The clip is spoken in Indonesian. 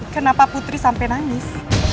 kenapa putri sampai nangis